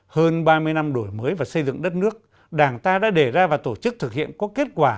hơn ba mươi năm đổi mới và xây dựng đất nước đảng ta đã đề ra và tổ chức thực hiện có kết quả